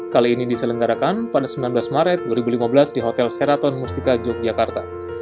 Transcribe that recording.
kali ini diselenggarakan pada sembilan belas maret dua ribu lima belas di hotel seraton mustika yogyakarta